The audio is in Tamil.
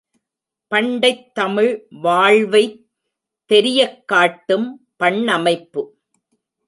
பண்டைத் தமிழ் வாழ்வைத் தெரியக் காட்டும் பண்ணமைப்பு!